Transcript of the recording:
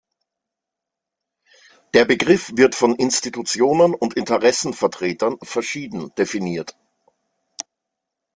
Der Begriff wird von Institutionen und Interessenvertretern verschieden definiert.